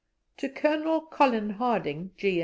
To Colonel Colin Harding, C.